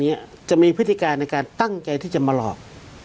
จะมีพฤติการในการตั้งใจที่จะมาหลอก